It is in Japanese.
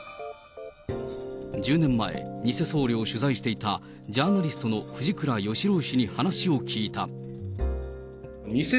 １０年前、偽僧侶を取材していたジャーナリストの藤倉善郎氏に話を聞いた。